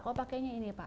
kok pakainya ini pak